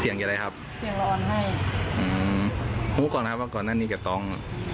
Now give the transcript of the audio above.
เสียงอะไรครับเสียงรออนให้อืมพูดก่อนครับว่าก่อนหน้านี้กับน้อง